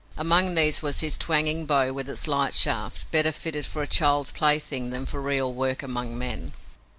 Among these was this twanging bow with its light shaft, better fitted for a child's plaything than for real work among men.